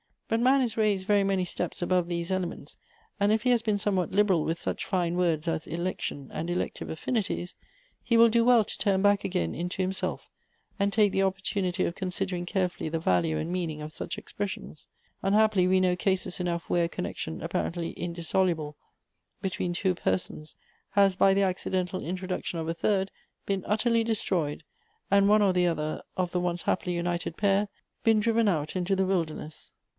But man is raised very many steps above these elements ; and if he has been somewhat liberal with such fine words as Election and Elective Afiinities, he will do well to turn back again into himself, and take the opportunity of consid ering carefiilly the value and meaning of such expressions. Unhappily, we know cases enough where a connection apparently indissoluble between two persons, has, by the accidental introduction of a third, been utterly destroyed, and one or the other of the once happily united pair been driven out into the wilderness."